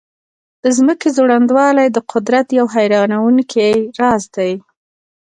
د ځمکې ځوړندوالی د قدرت یو حیرانونکی راز دی.